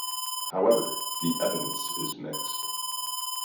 However, the evidence is mixed.